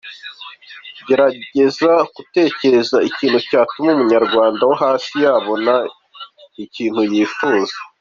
Ngerageza gutekereza ikintu cyatuma n’Umunyarwanda wo hasi yabona ikintu yifuza.